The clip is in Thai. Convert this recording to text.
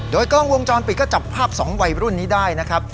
โดยกล้องวงจรปิดก็จับภาพ๒วัยรุ่นนี้ได้นะครับ